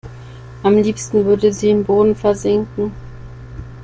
Am liebsten würde sie im Boden versinken.